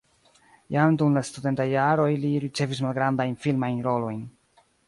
Jam dum la studentaj jaroj li ricevis malgrandajn filmajn rolojn.